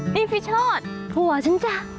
นี่พี่โชธผัวฉันจ้ะ